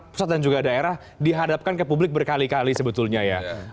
pusat dan juga daerah dihadapkan ke publik berkali kali sebetulnya ya